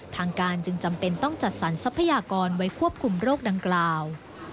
ทางการจึงจำเป็นต้องจัดสรรทรัพยากรไว้ควบคุมโรคดังกล่าว